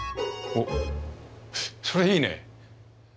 おっそれいいね！